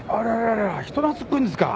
あら人懐っこいんですか。